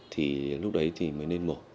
thì lúc đấy thì mới nên mổ